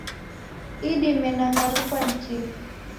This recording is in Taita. Idime naghalukwa ni kifu.